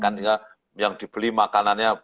karena yang dibeli makanannya